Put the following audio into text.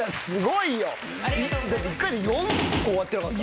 １回で４個割ってなかった！？